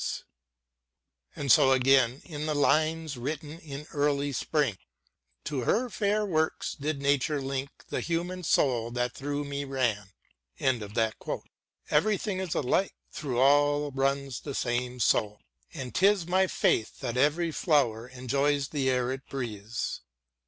i. WORDSWORTH AS A TEACHER in And so again in the " Lines written in Early Spring ": To her fair works did Nature link The human soul that through me ran ; Everything is alike ; through all runs the same soul: And 'tis my faith that every flower Enjoys the air it breathes.